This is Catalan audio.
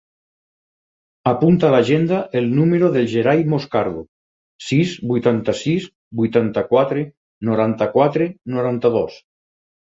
Apunta a l'agenda el número del Gerai Moscardo: sis, vuitanta-sis, vuitanta-quatre, noranta-quatre, noranta-dos.